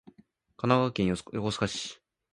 神奈川県横須賀市